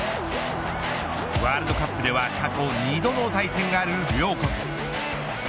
ワールドカップでは過去２度の対戦がある、両国。